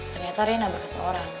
ternyata ray nabrak ke seorang